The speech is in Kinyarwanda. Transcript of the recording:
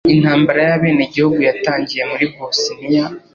Intambara y'abenegihugu yatangiye muri Bosiniya